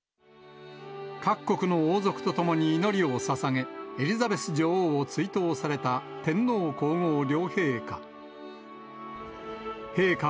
各国の王族と共に祈りをささげ、エリザベス女王を追悼された天皇皇后両陛下。